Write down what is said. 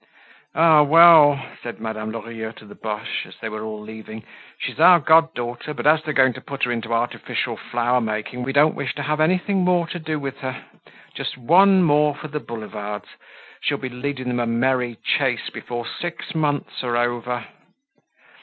"Ah well," said Madame Lorilleux to the Boches, as they were all leaving, "she's our goddaughter, but as they're going to put her into artificial flower making, we don't wish to have anything more to do with her. Just one more for the boulevards. She'll be leading them a merry chase before six months are over."